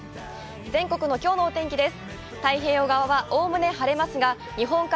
全国のきょうのお天気です。